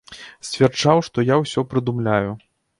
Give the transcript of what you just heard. Сцвярджаў, што я ўсё прыдумляю.